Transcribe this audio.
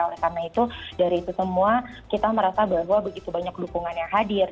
oleh karena itu dari itu semua kita merasa bahwa begitu banyak dukungan yang hadir